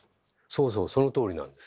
そうそうそのとおりなんです。